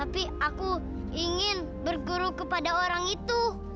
tapi aku ingin berguru kepada orang itu